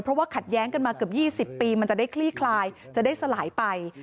เพราะว่าขัดแย้งกันมาเกือบ๒๐ปีมันจะได้คลี่คลายจะได้สลายไป